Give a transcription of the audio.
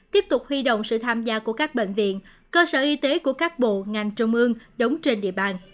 tiếp tục huy động sự tham gia của các bệnh viện cơ sở y tế của các bộ ngành trung ương đóng trên địa bàn